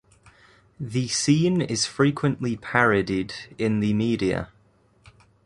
The scene is frequently parodied in the media.